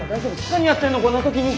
何やってんのこんな時に。